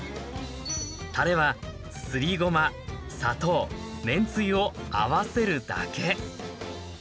たれはすりごま砂糖めんつゆを合わせるだけ。